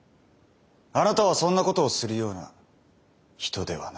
あなたはそんなことをするような人ではない。